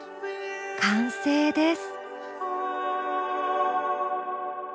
完成です。